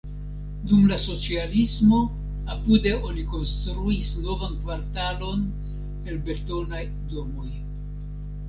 Dum la socialismo apude oni konstruis novan kvartalon el betonaj domoj.